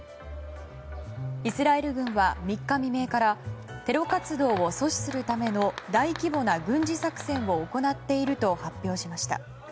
イスラエル軍は３日未明からテロ活動を阻止するための大規模な軍事作戦を行っていると発表しました。